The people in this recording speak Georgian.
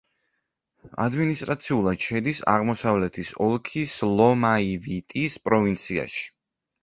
ადმინისტრაციულად შედის აღმოსავლეთის ოლქის ლომაივიტის პროვინციაში.